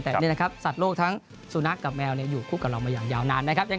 แต่นี่นะครับสัตว์โลกทั้งสุนัขกับแมวอยู่คู่กับเรามาอย่างยาวนานนะครับ